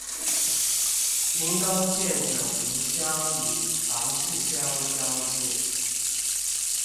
屏東縣九如鄉與長治鄉交界